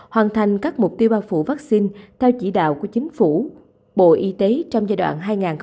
hoàn thành các mục tiêu bao phủ vaccine theo chỉ đạo của chính phủ bộ y tế trong giai đoạn hai nghìn một mươi sáu hai nghìn hai mươi năm